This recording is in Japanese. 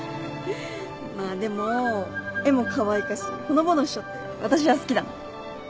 まあでも絵もかわいかしほのぼのしちょって私は好きだな。